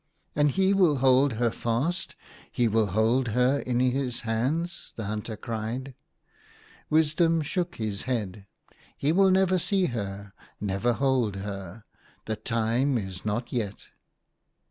" And he will hold her fast ! he will hold her in his hands !" the hunter cried. Wisdom shook his head. THE HUNTER. 33 " He will never see her, never hold her. The time is not yet."